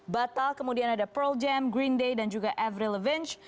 batal kemudian ada pearl jam green day dan juga sma